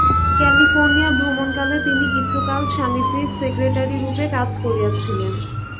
California ভ্রমণকালে তিনি কিছুকাল স্বামীজীর সেক্রেটারী-রূপে কাজ করিয়াছিলেন।